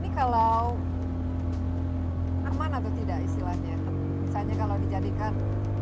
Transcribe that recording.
ada yang membutuhkan serang nat rotasi lebih cepat untuk mempermudah mereka dan memudar roda ekonomi yang ada di tingkat tapak